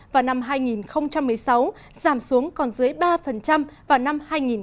và năm hai nghìn một mươi sáu giảm xuống còn dưới ba vào năm hai nghìn một mươi